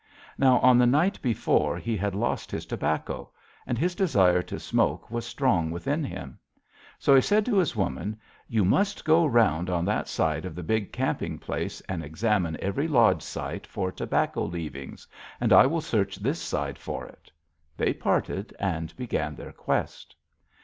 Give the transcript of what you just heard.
"Now, on the night before he had lost his tobacco, and his desire to smoke was strong within him. So he said to his woman, 'You go around on that side of the big camping place and examine every lodge site for tobacco leavings, and I will search this side for it.' They parted and began their quest.